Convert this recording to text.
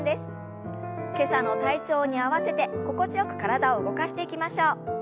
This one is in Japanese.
今朝の体調に合わせて心地よく体を動かしていきましょう。